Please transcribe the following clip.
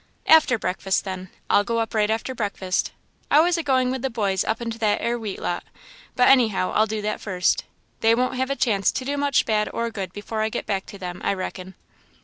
"After breakfast, then; I'll go up right after breakfast. I was a going with the boys up into that 'ere wheat lot, but anyhow I'll do that first. They won't have a chance to do much bad or good before I get back to them, I reckon."